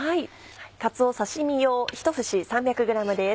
かつお刺身用１節３００ｇです。